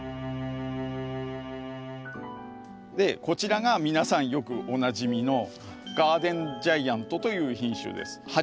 こちらが皆さんよくおなじみの‘ガーデン・ジャイアント’という品種です。